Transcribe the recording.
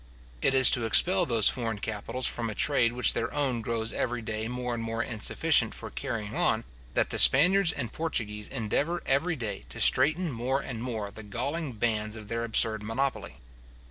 It is to expel those foreign capitals from a trade which their own grows every day more and more insufficient for carrying on, that the Spaniards and Portuguese endeavour every day to straiten more and more the galling bands of their absurd monopoly.